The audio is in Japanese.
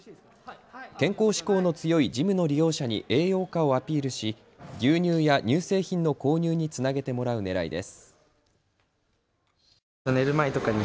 健康志向の強いジムの利用者に栄養価をアピールし牛乳や乳製品の購入につなげてもらうねらいです。